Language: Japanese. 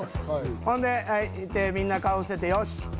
ほんでみんな顔伏せて。